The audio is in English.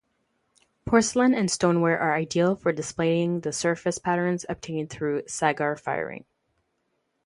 Porcelain and stoneware are ideal for displaying the surface patterns obtained through saggar firing.